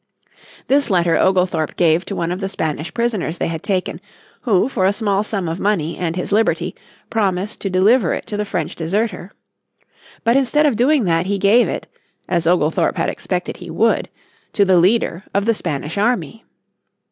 This letter Oglethorpe gave to one of the Spanish prisoners they had taken, who for a small sum of money and his liberty, promised to deliver it to the French deserter. But instead of doing that he gave it, as Oglethorpe had expected he would, to the leader of the Spanish army.